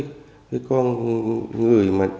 cái con người mà đá độ chính